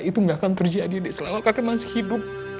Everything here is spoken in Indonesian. itu gak akan terjadi dek selama kakak masih hidup